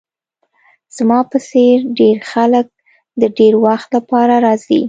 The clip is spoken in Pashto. زما په څیر ډیر خلک د ډیر وخت لپاره راځي